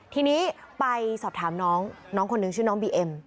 ทีนี้ไปสอบถามน้องคนนึงชื่อน้องบีเอ็ม